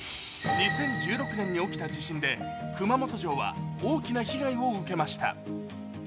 ２０１６年に起きた地震で熊本城は大きな被害を受けました。